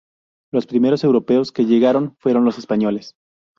Los primeros europeos que llegaron fueron los españoles.